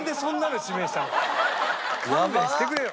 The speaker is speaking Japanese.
勘弁してくれよ。